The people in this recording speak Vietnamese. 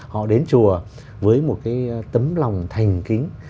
họ đến chùa với một cái tấm lòng thành kính